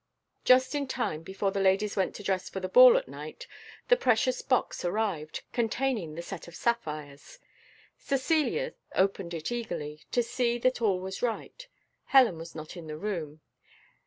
Just in time before the ladies went to dress for the ball at night, the precious box arrived, containing the set of sapphires. Cecilia opened it eagerly, to see that all was right. Helen was not in the room.